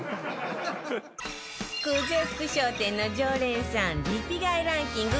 久世福商店の常連さんリピ買いランキング